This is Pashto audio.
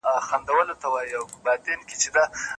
هر ګړی بدلوي غېږ د لونډه ګانو